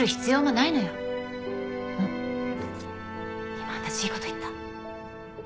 今私いい事言った？